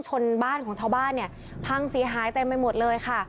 ชนบ้านของชาวบ้านเนี่ยพังเสียหายเต็มไปหมดเลยค่ะ